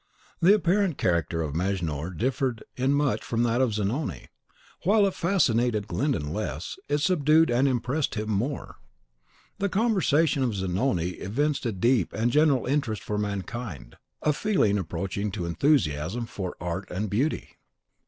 The apparent character of Mejnour differed in much from that of Zanoni; and while it fascinated Glyndon less, it subdued and impressed him more. The conversation of Zanoni evinced a deep and general interest for mankind, a feeling approaching to enthusiasm for art and beauty.